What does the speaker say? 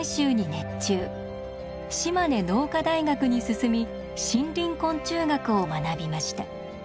島根農科大学に進み森林昆虫学を学びました。